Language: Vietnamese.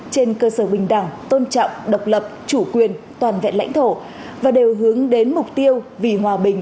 trên cơ sở bình đẳng tôn trọng độc lập chủ quyền toàn vẹn lãnh thổ và đều hướng đến mục tiêu vì hòa bình